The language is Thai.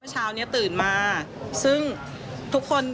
พบหน้าลูกแบบเป็นร่างไร้วิญญาณ